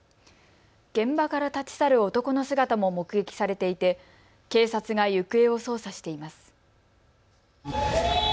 現場から立ち去る男の姿も目撃されていて警察が行方を捜査しています。